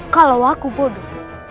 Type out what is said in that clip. kalau aku bodoh